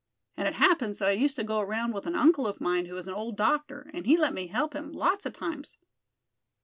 And it happens that I used to go around with an uncle of mine who was an old doctor, and he let me help him lots of times."